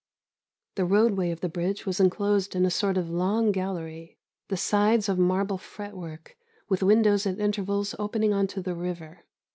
The roadway of the bridge was enclosed in a sort of long gallery, the sides of marble fretwork, with windows at intervals opening on to the river.